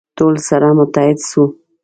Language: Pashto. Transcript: ټول سره متحد سو.